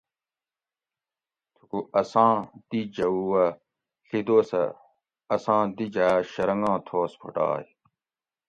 تھوکو اساں دی جھوؤ ا ڷی دوسہ اساں دی جا شرنگاں تھوس پھوٹائے